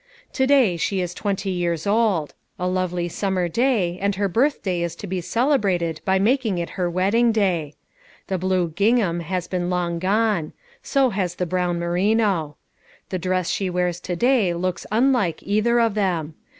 To day she is twenty years old, A lovely summer day, and her birthday is to be celebrated by making it her wedding day. The blue ging ham has been long gone ; so has the brown merino. The dress she wears to day looks un like either of them.